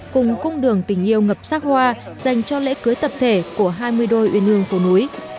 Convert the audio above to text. cùng cung đường tình yêu ngập sắc hoa dành cho lễ cưới tập thể của hai mươi đôi uyên ương phố núi